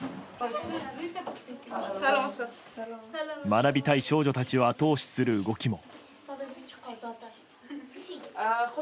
学びたい少女たちを後押しする動きも。